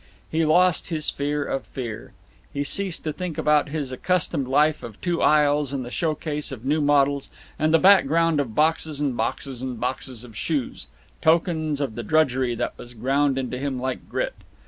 He lost his fear of fear; he ceased to think about his accustomed life of two aisles and the show case of new models and the background of boxes and boxes and boxes of shoes tokens of the drudgery that was ground into him like grit.